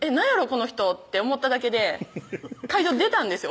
この人って思っただけで会場出たんですよ